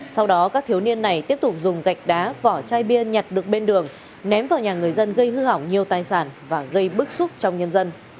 sau đó các thiếu niên này tiếp tục dùng gạch đá vỏ chai bia nhặt được bên đường ném vào nhà người dân gây hư hỏng nhiều tài sản và gây bức xúc trong nhân dân